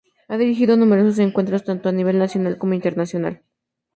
Ha dirigido numerosos encuentros tanto a nivel nacional como internacional.